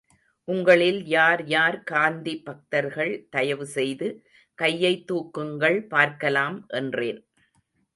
உங்களில் யார் யார், காந்தி பக்தர்கள் தயவு செய்து கையைத் தூக்குங்கள் பார்க்கலாம் என்றேன்.